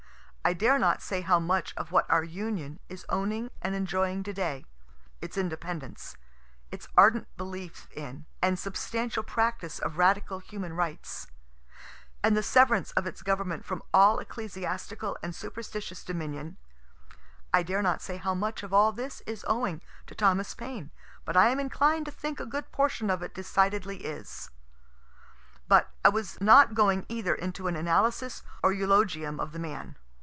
I dare not say how much of what our Union is owning and enjoying to day its independence its ardent belief in, and substantial practice of radical human rights and the severance of its government from all ecclesiastical and superstitious dominion I dare not say how much of all this is owing to Thomas Paine, but I am inclined to think a good portion of it decidedly is. But I was not going either into an analysis or eulogium of the man.